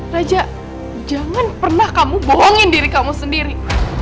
raja jangan pernah kamu bohongi diri kamu sendiri